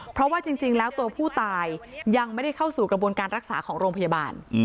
เพราะว่าจริงแล้วตัวผู้ตายยังไม่ได้เข้าสู่กระบวนการรักษาของโรงพยาบาล